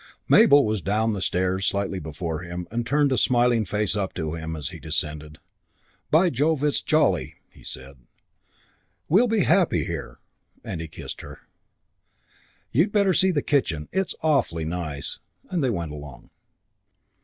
Mabel was down the stairs slightly before him and turned a smiling face up to him as he descended. "By Jove, it's jolly," he said. "We'll be happy here," and he kissed her. "You'd better see the kitchen. It's awfully nice;" and they went along.